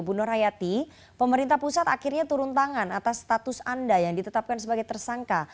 bu nur hayati pemerintah pusat akhirnya turun tangan atas status anda yang ditetapkan sebagai tersangka